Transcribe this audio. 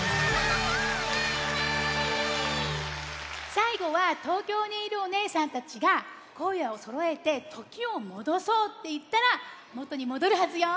さいごは東京にいるおねえさんたちがこえをそろえて「ときをもどそう！」っていったらもとにもどるはずよ。